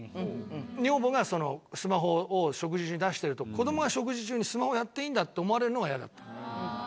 女房がそのスマホを食事中に出してると子供が食事中にスマホやっていいんだって思われるのが嫌だったの。